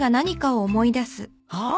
あっ！